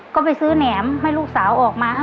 ก็ไปซื้อแหนมให้ลูกสาวออกมา